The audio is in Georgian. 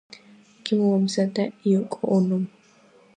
იგი მოამზადა იოკო ონომ.